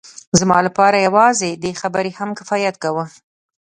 زما لپاره یوازې دې خبرې هم کفایت کاوه